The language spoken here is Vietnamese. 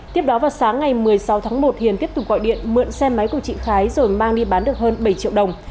tiếp đó vào sáng ngày một mươi sáu tháng một hiền tiếp tục gọi điện mượn xe máy của chị thái rồi mang đi bán được hơn bảy triệu đồng